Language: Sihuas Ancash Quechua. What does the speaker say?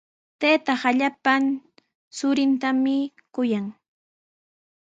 Taytaaqa llapan churintami kuyan.